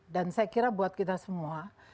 dan saya kira buat kita semua